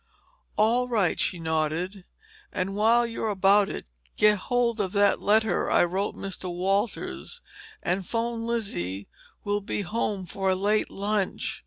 "All right," she nodded. "And while you're about it, get hold of that letter I wrote Mr. Walters and phone Lizzy we will be home for a late lunch.